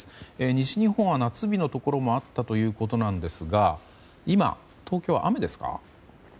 西日本は夏日のところもあったということなんですが今、東京は雨ですか？